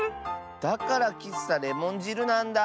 だからきっさレモンじるなんだ。